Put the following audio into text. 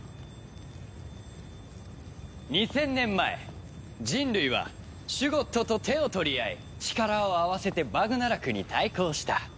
２０００年前人類はシュゴッドと手を取り合い力を合わせてバグナラクに対抗した。